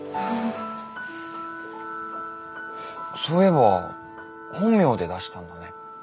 そういえば本名で出したんだね。